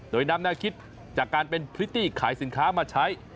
โดยนำแนวคิดจากการเป็นพริตตี้ขายสินค้ามาใช้